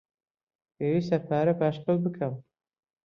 پێویستە پارە پاشەکەوت بکەم.